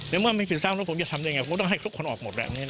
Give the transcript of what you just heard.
ถ้าไม่ผิดซ้ำแล้วผมจะทำได้ยังไงผมต้องให้ทุกคนออกหมดแหละ